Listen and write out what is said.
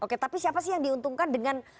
oke tapi siapa sih yang diuntungkan dengan